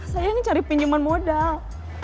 saya ngecari pinjaman modal